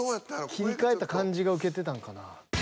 切り替えた感じがウケてたんかな。